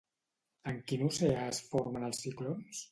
En quin oceà es formen els ciclons?